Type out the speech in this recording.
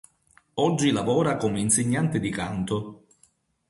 Oggi lavora come insegnante di canto.